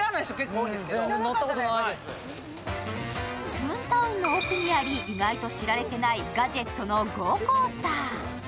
トゥーンタウンの奥にあり意外と知られていないガジェットのゴーコースター。